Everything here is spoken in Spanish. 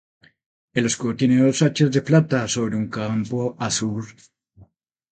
El escudo tiene dos hachas de plata sobre un campo azur.